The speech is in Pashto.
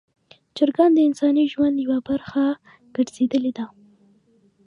چرګان د انساني ژوند یوه برخه ګرځېدلي دي.